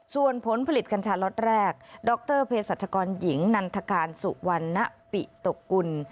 ส่วนผลผลิตกัญชาล็อตแรกดรเพศรัชกรหญิงนันทการสุวรรณปิตกุล